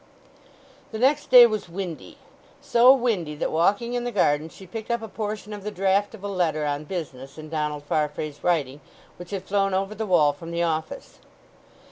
The next day was windy—so windy that walking in the garden she picked up a portion of the draft of a letter on business in Donald Farfrae's writing, which had flown over the wall from the office.